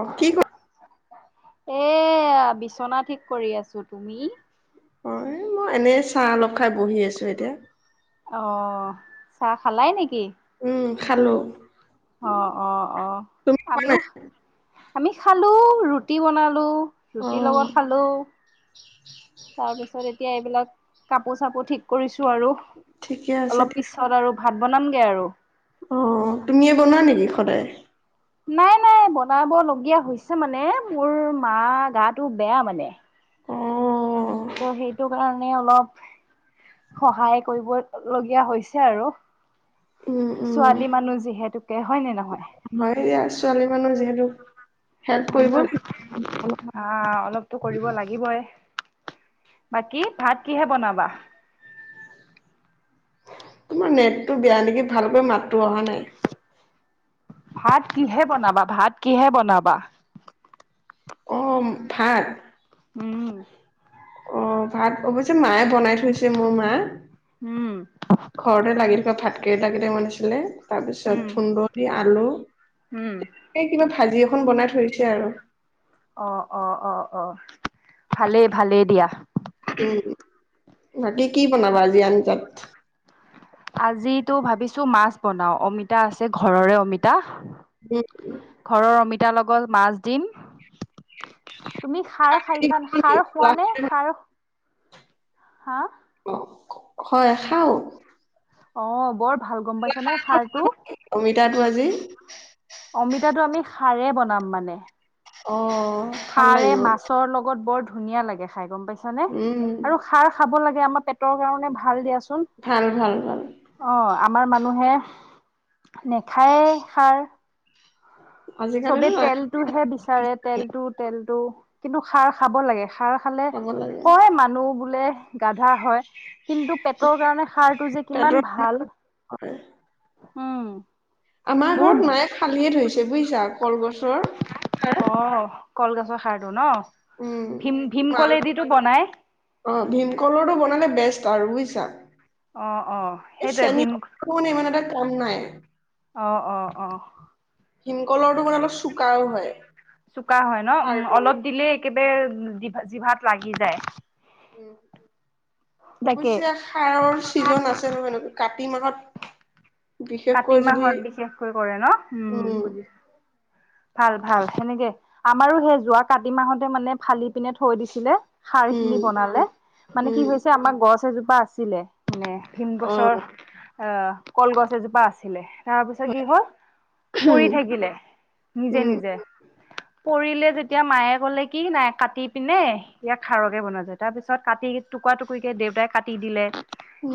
অঁ কি ক এ বিচনা ঠিক কৰি আছো। তুমি অ' এই মই এনেই চাহ অলপ খাই বহি আছো এতিয়া। আহ চাঁহ খালাই নেকি? খালোঁ। অ' অ' অ', আমিও নাই আমি খালো ৰুটি বনালো অ ৰুটিৰ লগত খালো। তাৰ পিছত এতিয়া এইবিলাক কাপোৰ চাপোৰ ঠিক কৰিছো আৰু। ঠিকে আছে অলপ দিয়া পিছত আৰু ভাত বনামগে আৰু। অ' তুমিয়ে বনোৱা নেকি সদায়? নাই নাই বনাব লগীয়া হৈছে মানে মোৰ মা গাটো বেয়া মানে। অ ত' সেইটো কাৰণে অলপ সহায় কৰিব লগীয়া হৈছে আৰু। উম উম ছোৱালী মানুহ যিহেতুকে হয় নে নহয়! হয় এতিয়া ছোৱালী মানুহ যিহেতু! হেল্প কৰিব লাগিব আঁহ অলপতো কৰিব লাগিবই। বাকী ভাত কিহে বনাবা? তোমাৰ নেটটো বেয়া নেকি ভালকৈ মাতটো অহা নাই। ভাত কিহে বনাবা ভাত কিহে বনাবা। অ' ভাত উম। অঁ ভাত অৱশ্যে মায়ে বনাই থৈছে মোৰ মা, উম ঘৰতে লাগি থকা ভাতকেৰেলা কেইটা বনাইছিলে। তাৰপিছত উম থুন্দনি, আলু উম তেনেকে কিবা ভাজি খন বনাই থৰিছে আৰু অ অ অ অ, ভালেই-ভালেই দিয়া। উম, বাকী কি বনাবা আজি আন তাত। আজিতো ভাবিছো মাছ বনাও, অমিতা আছে ঘৰৰে অমিতা। উ, তাৰ লগত মাছ দিম। তুমি খাৰ হেৰি খাইছা খাবা নি? সাৰ খোৱা নে লাখেৰি ভাত সাৰ হা? অ, হয় খাও। অ বৰ ভাল গম পাইছানে খাৰটো ইয়াতো আজি অমিতাটো আমি খাৰে বনাম মানে অ' ভাল সাৰে লাগিব। মাছৰ লগত বৰ ধুনীয়া লাগে খাই গম পাইছা নে? উম, আৰু খাৰ খাব লাগে আমাৰ পেটৰ কাৰণে ভাল দিয়াচুন। ভাল ভাল ভাল। আমাৰ মানুহে নেখায়ে খাৰ চবে আজিকালিতো নাই তেলটোহে বিচাৰে তেলটো তেলটো কিন্তু খাৰ খাব লাগে খাৰ খালে খাব লাগে। কয় মানুহ বোলে গাধা হয় কিন্তু পেটৰ কাৰণে খাৰটো যে পেটৰ কিমান ভাল। হয়, [unintelligible] আমাৰ বহুত ঘৰত মায়ে খালিয়ীয়ে থৈছে বুয়িছা কলগছৰ খাৰ অ' কলগছৰ সাৰটো ন। উম ভীম মাল, ভীমকলেদিতো বনাই অ ভীমকলৰটো বনালে বেষ্ট আৰু বুজ অ' অ' এই সেইটোৱে শ্ৰেণী ভীম ইমান এটা কাম নাই। অ অ অহ ভীমকলটোৰ মানে অলপ চোকাও হয়। চোকা হয় ন উম, খাৰটো অলপ দিলেই একেবাৰো জিভাত লাগি যায়। উম, তাকে। অৱশ্যে সাৰৰ চিজন আছে নহয় নক কাপ কাতি মাহত কাতি বিশেষকৈ যদি মাহত বিশেষকৈ কৰে ন উম বুজিছো। ভাল-ভাল সেনেকে আমাৰো সেই যোৱা কাতি মাহতে মানে ফালি। পিনে থৈ দিছিলে, সাৰ উম খিনি বনালে মানে কি উম হৈছে আমাৰ গছ এজোপা আ আছিলে মানে ভীম অ গছৰ আহ কলগছ এজোপা আছিলে। তাৰপিছত কি হ'ল পৰি উম থাকিলে নিজে উম নিজে কৰিলে যেতিয়া মায়ে কলে কি নাই কাটি পিনে ইয়াক খাৰকে বনোৱা যায় তাৰ পিছত কাটি টুু- দেউতাই কাটি দিলে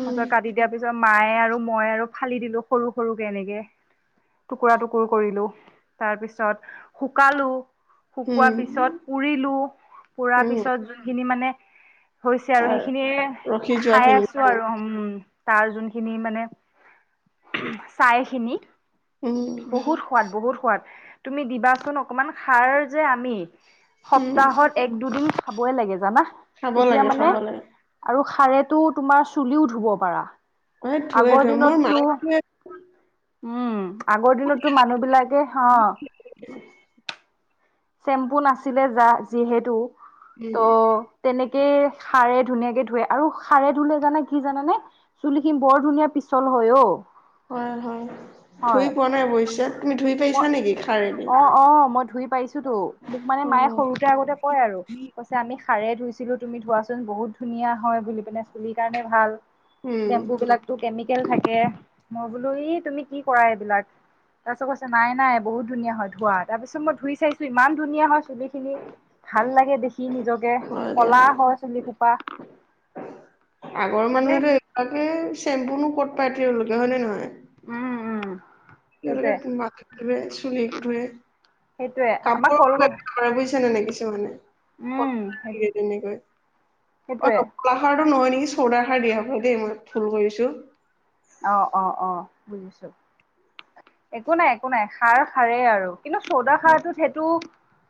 তাৰ পিছত কাটি দিয়াৰ পিছত মায়ে আৰু মই আৰু ফালি দিলো সৰু-সৰু কে এনেকে টুকুৰা-টুকুৰ কৰিলো। তাৰপিছত শুকালো শুকোৱাৰ পিছত উম পুৰিলো পুৰা উম পিছত যোনখিনি মানে হৈছে আৰু তাৰ সেইখিনিয়ে ৰখি খাই যোৱাখিনি আছোঁ আৰু উম তাৰ যোনখিনি মানে উমহ ছাই খিনি উম বহুত সোৱাদ বহুত সোৱাদ, তুমি দিবাচোন অকমান সাৰ যে আমি উম সপ্তাহত এক দুদিন খাবই লাগে জানা খাব তেতিয়া লাগে মানে খাব লাগে আৰু খাৰে টো তোমাৰ চুলিও ধুব পাৰা। এই ধুৱে আগৰ ধুৱে মোৰ দিনতটো। মায়ে ধুৱে উম আগৰ দিনতটো মানুহবিলাকে অহ চেম্পু নাছিলে যা যিহেতু সেই এ খাৰে ধুনীয়াকে ধুুৱে আৰু খাৰে ধুলে জানা কি জানানে চুলি খিনি বৰ ধুনীয়া পিছল হয় অও হয় হয় ধুই পোৱা নাই মই পিছে, তুমি ধুই মই পাইছা নেকি খাৰেদি অ', অ মই ধুই পাইছো তো মোক মানে অ মায়ে সৰুতে আগতে কয় আৰু কৈছে আমি খাৰে ধুইছিলো তুমি ধোৱাচোন বহুত ধুনীয়া হয় বুলি পিনে চুলিৰ কাৰণে ভাল উম চেম্বুবিলাকতো কেমিকেল থাকে মই বোলো ই তুমি কি কৰা এইবিলাক। তাৰ পিছত কৈছে নাই নাই বহুত ধুনীয়া হয় ধোৱা তাৰ পিছত মই ধুই চাইছো ইমান ধুনীয়া হয় চুলি খিনি ভাল লাগে দেখি নিজকে হয় দিয়া কলা হয় চুলি সোপা আগৰ মানে মানুহেতো এইবিলাকে চেম্পুনো ক'ত পাই তেওঁলোকে হয় নে নহয়। উম উম কে সেইটোৱে মাটিত [unintelligible] ধোৱে চুলি ধোৱে সেইটোৱে আমাৰ কাপোৰ বে কলগছ [unintelligible] কৰে বুয়িছা নাই নেকি উম, সেই [unintelligible] অ সেইটোৱে কলাৰো নহয় নি চৌদা খাৰ দিয়ে হপাই দেই মই ভুল কৰিছোঁ। অ অ অ বুজিছো একো নাই একো নাই খাৰ খাৰেই আৰু কিন্তু চৌদা খাৰটোত সেইটো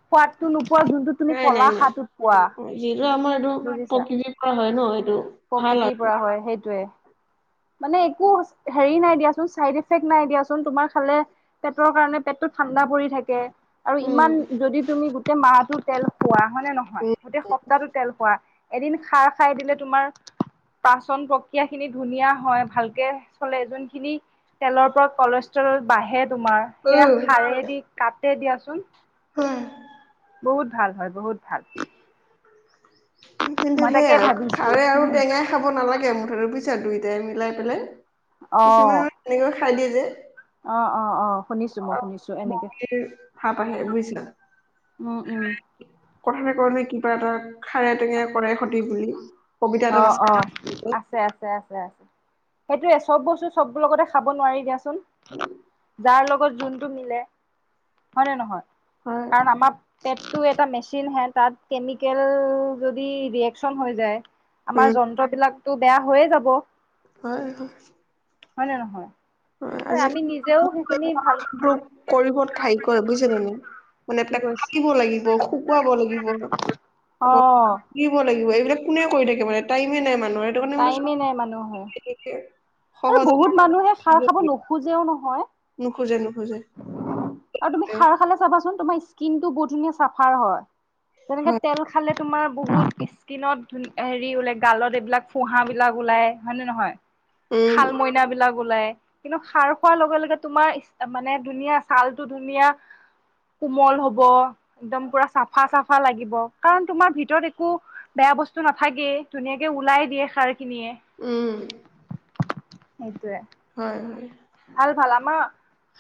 সোৱাদটো নো খোৱা যোনটোত তুমি নাই নাই কলা নাই খাৰটোত পোৱা যিটো আমাৰ এইটো বুজিছা প্ৰকৃতিৰ পৰা হয় ন এইটো ভাল প্ৰকৃতিৰ আৰু পৰা হয় সেইটোৱে। মানে একো হেৰি নাই দিয়াচোন চাইডিফেক্ট নাই দিয়াচোন তোমাৰ খালে পেটৰ কাৰণে পেটটো ঠাণ্ডা পৰি থাকে আৰু উম। ইমান যদি তুমি গোটেই মাহটোত তেল খোৱা হয় নে নহয় গোটেই সপ্তাহটো তেল খোৱা এদিন খাৰ খাই দিলে তোমাৰ পাচন প্ৰক্ৰিয়া খিনি ধুনীয়া হয় ভালকে চলে যোনখিনি তেলৰ পৰা বাঢ়ে তোমাৰ সেয়া উম খাৰেদি কাটে দিয়াচোন। হয়। বহুত ভাল হয় বহুত ভাল কিন্তু মই তাকে সেয়া ভাবিছো খাৰে আৰু উম টেঙাই খাব নালাগে মুঠতে বু দুয়োটাই মিলাই পেলাই কিছুমানে অ'। আকৌ তেনেকৈ খাই দিয়ে যে। অ অ অ শুনিছোঁ মই শুনিছোঁ এনেকে। বমিৰ ভাপ আহে বুইছ? উম, উম, কথা ন [unintelligible] কবি কিবা এটা খাৰে টেঙে কৰে সতি বুলি কবিতা এটাত আছে অ-অ [unintelligible] আছে-আছে-আছে। [inaudible] সেইটোৱেই চব বস্তু চব লগতে খাব নোৱাৰি দিয়াচোন। উম। যাৰ লগত যোনটো মিলে হয় নে নহয়? হয় কাৰণ আমাৰ পেটটো এটা মেচিন হে তাত কেমিকেল যদি ৰিয়েকচন হৈ যায় আমাৰ উম যন্ত্ৰবিলাকতো বেয়া হৈয়ে যাব। হয় হয়। হয় নে নহয়? হয় ত আমি আজিকালি নিজেও মানুহবোৰে সেইখিনি ভাল কলাটো [unintelligible] [unintelligible] কি কৈছে কাটিব লাগিব শুকুৱাব লাগিব। অ আকৌ লাগিব এইবিলাক কোনে কৰি থাকে মানে টাইমে নাই মানে। এইটো কাৰণে মানে টাইমে নাই মানুহৰ [unintelligible] আৰু বহুত মানুহে খাৰ দিব খাব দিয়ে। নোখোজেও নহয়। নুখোজে নো। আৰু তুমি খাৰ খালে চাবাচোন তোমাৰ স্কিন টো বহুত ধুনীয়া চাফাৰ হয়। তেনেকে হয় তেল খালে তোমাৰ বহুত স্কিনতন হেৰি ওল গালত এইবিলাক ফুহা বিলাক ওলাই হয়ে নে নহয়? উম শাল মইনাবিলাক ওলাই কিন্তু খাৰ খোৱাৰ লগে-লগে তোমাৰ মানে ধুনীয়া ছালটো ধুনীয়া কোমল হব একদম পুৰা চাফা চাফা লাগিব, কাৰণ তোমাৰ ভিতৰত একো বেয়া বস্তু নাথাকে ধুনীয়াকে ওলাই দিয়ে খাৰে। উম! সেইটোৱেই। হয়-হয়। ভাল ভাল আমাৰ।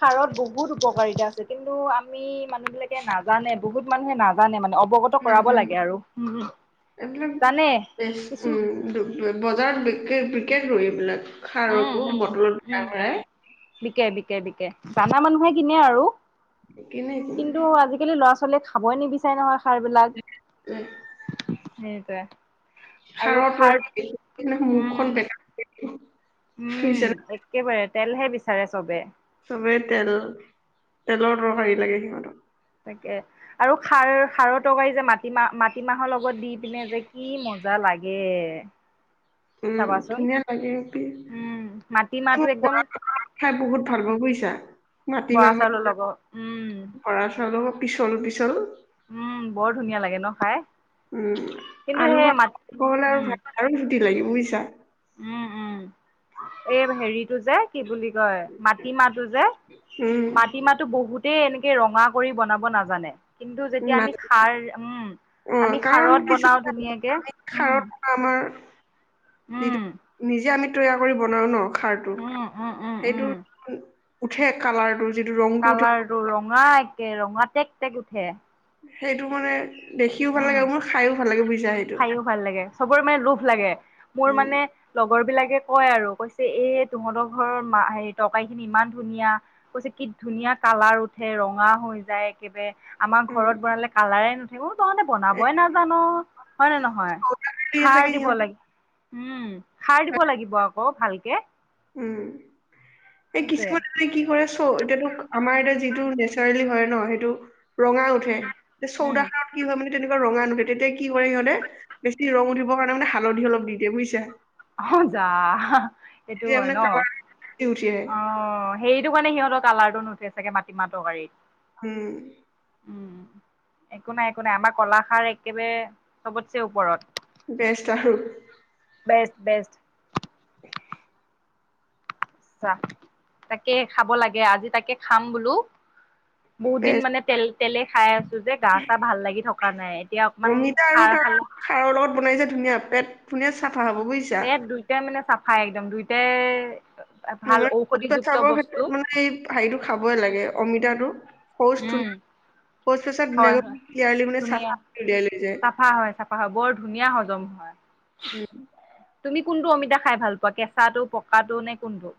খাৰত বহুত উপকাৰিতা আছে, কিন্তু আমি মানুহ বিলাকে নাজানে বহুত মানুহে নাজানে মানে। অৱগত কৰাব নাজানো লাগে আৰু এইবিলাক জানে বেচ উম কিছু দো- বজাৰত বিক বিকেটো এইবিলাক। উম খাৰবোৰ উম বটলত উম বিকে ভৰাই-ভৰাই। বিকে বিকে জানা মানুহে কিনে আৰু, কেনে কিনে কিন্তু আজিকালি ল'ৰা ছোৱালীয়ে খাবই নিবিচাৰে নহয়। এ, খাৰবিলাক সেইটোৱেই। আৰু খাৰৰ খাৰ তৰকাৰী দেখি কিনে মুখখন উম বেকা উম বুজিছা নে একেবাৰে তেলহে বিচাৰে চবে। চবে তেল [inaudible] তেলৰ তৰকাৰী লাগে সিহঁত। এনেকে আৰু খাৰ খাৰৰ তৰকাৰী যে মাটিমাহ মাটিমাহৰ লগত দি পিনে যে কি মজ। মজা লাগে। উম চাবাচোন ধুনীয়া লাগে। উম মাটিমাহটো একদম [unintelligible] খাই বহুত ভাল পা বুইছা। বৰা মাটিমাহৰ চাউলৰ [unintelligible] লগত উম বৰা চাউলৰ পিছল-পিছল উম বৰ ধুনীয়া লাগে ন খাই। উম কিন্তু আলু সেই মাত [unintelligible] উম আৰু চুটি লাগিব বুইছা। উম-উম এই হেৰিটো যে কি বুলি কয় মাটিমাহটো যে উম মাটিমাহটো বহুতেই এনেকে ৰঙা কৰি বনাব নাজানে। কিন্তু যেতিয়া আমি খাৰ উম। উম আমি কাৰণ খাৰত কিছু বনাও ধুনীয়াকে [unintelligible] উম খাৰত বা আমাৰ উম যিটো নিজে আমি তৈয়াৰ কৰি বনাও ন। খাৰটো উম উম উম সেইটো উম উঠে কালাৰটো। যিটো ৰংটো উঠে কালাৰ টো ৰঙা একে ৰঙা টেক টেক উঠে। সেইটো মানে দেখিও ভাল লাগে উম আৰু মোৰ খাইও ভাল লাগে বুজি খাইও ভাল লাগে চবৰে মানে লোভ লাগে, মোৰ উম মানে লগৰ বিলাকে। কয় আৰু কৈছে এয়ে তহঁতৰ ঘৰৰ হেৰি তৰকাৰীখিনি ইমান ধুনীয়া কৈছে কি ধুনীয়া কালাৰ উঠে ৰঙা হৈ যায় একেবাৰে। আমাৰ উম ঘৰত বনালে কালাৰে নুঠে মই তহতে বনাবই এই নাজানো। হয়নে নহয়। দিয়ে খাৰ চাগে দিব সিহঁত লাগে উম খাৰ দিব লাগিব আকৌ ভালকে উম! এই সেইটোৱে কিছুমান এই কি কৰে চ এতিয়াতো আমাৰ এতিয়া যিটো নেচাৰেলি হয় ন সেইটো ৰঙা উঠে, উম উম চৌদাহাৰত কি হয় মানে তেনেকুৱা ৰঙা নঠ। তেতিয়া কি কৰে সিহঁতে, বেছি ৰং উঠিবৰ কাৰণে মানে হালধি অলপ দি দিয়ে বুজিছা। হ যা। সেইটো তেতিয়া হয় মানে ন কালাৰ বেছি উঠি আহে অ সেইটো কাৰণে সিহঁতক কালাৰটো নুঠে চাগে মাটিমা তৰকাৰীত উম। উম একো নাই একো নাই আমাৰ কলাখাৰ একেবাৰে চবতছে ওপৰত। বেষ্ট আৰু। Best best. তাকেই খাব লাগে আজি তাকে খাম বোলো। বহুত দিন বেষ্ট মানে তেল তেলে খাই আছো যে গা চা ভাল লাগি থকা নাই এতিয়া অকমান অমিতা আৰু খাৰ তাৰ খালে লগত খাৰৰ লগত বনাই যে ধুনীয়া পেট ধুনীয়া চাফা হ'ব বুজিছা তাত দুইটাই মানে চাফাই একদম দুইটাই ভাল মান সধ ঔষধিযুক্ত পেচাবৰ বস্তু ক্ষেত্ৰত মানে এই হেৰিটো খাবই লাগে অমিতাটো শৌচ উম ধুনীয়া শৌচ পেচাব হয় ধুনীয়াকৈ হয় ক্লিয়াৰলি মানে চাফা ধুনীয়া কৰি উলিয়াই লৈ যায় চাফা হয় চাফা হয় বৰ ধুনীয়া হজম হয় উম তুমি কোনটো অমিতা খাই ভাল পোৱা কেঁচাটো পকাটো নে কোনটো।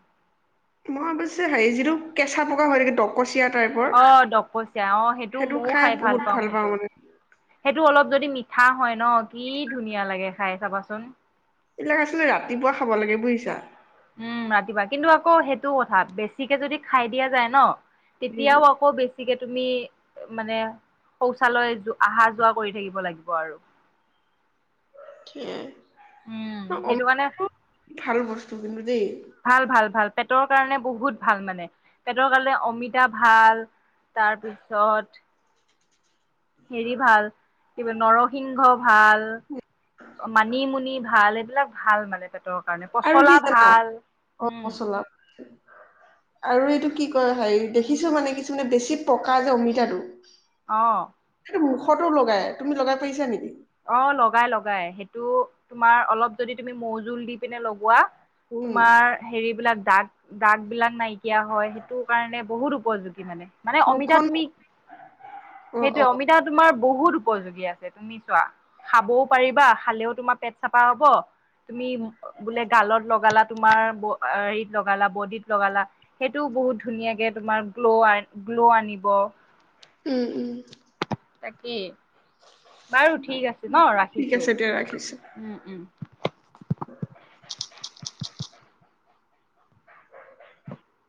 মই অৱশ্যে হে যিটো কেঁচা পকা হৈ থাকে ডকচিয়াত অ ডকচিয়া অ সেইটো ময়ও খাই ভাল পাওঁ সেইটো সেইটো অলপ যদি মিঠা হয় ন কি ধুনীয়া লাগে খাই চাবাচোন এইবিলাক আছিলে ৰাতিপুৱা খাব লাগে বুজিছা উম ৰাতিপুৱা কিন্তু আকৌ সেইটো কথা বেছিকে যদি খাই দিয়া যায় ন উম তেতিয়াও আকৌ বেছিকে তুমি মানে শৌচালয় অহা যোৱা কৰি থাকিব লাগিব আৰু [inaudible] উম সেইটো কাৰণে অমিতাটো ভাল বস্তু কিন্তু দেই ভাল ভাল ভাল পেটৰ কাৰণে বহুত ভাল মানে পেটৰ কাৰণে অমিতা ভাল তাৰপিছত হেৰি ভাল কিবা নৰসিংহ ভাল মানিমুনি ভাল এইবিলাক ভাল মানে তে কাৰণে আৰু কি পচলা জানা ভাল গৰম হম মছলা আৰু এইটো কি কয় হেৰি দেখিছো মানে কিছুমানে বেছি পকা যে অমিতাটো অ সেইটো মুখতো লগাই তুমি লগাই পাইছা নেকি অ লগাই লগাই সেইটো তোমাৰ অলপ যদি তুমি মৌজোল দি পিনে লগোৱা উম তোমাৰ হেৰি বিলাক দাগ দাগ বিলাক নাইকিয়া হয় সেইটো কাৰণে বহুত উপযোগী মানে। মানে অমিতা মুখখন তুমি অ অ সেইটোয়ে অমিতা তোমাৰ বহুত উপযোগী আছে তুমি খাবও পাৰিবা খালেও তোমাৰ পেট চাফা হব তুমি বোলে গালত লগালা তোমাৰ হেৰিত লগালা বডিত লগালা সেইটোও বহুত ধুনীয়াকে তোমাৰ গ্ল' গ্ল আনিব উম - উম। তাকেই। বাৰু, ঠিক আছে ন'। ঠিক ৰাখিছোঁ। আছে দিয়া ৰাখিছো উম - উম। [unintelligible]